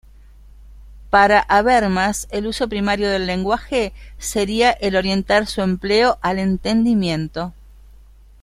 Para Habermas, el uso primario del lenguaje sería el orientar su empleo al entendimiento.